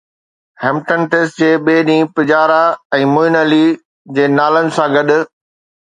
Hampton test جي ٻئي ڏينهن پجارا ۽ معين علي جي نالن سان گڏ